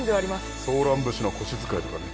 「ソーラン節」の腰使いとかね